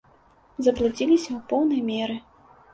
Заблудзіліся ў поўнай меры.